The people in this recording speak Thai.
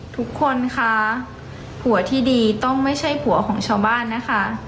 ทุกคนค่ะผัวที่ดีต้องไม่ใช่ผัวของชาวบ้านนะคะ